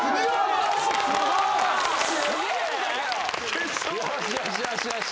決勝よしよしよしよし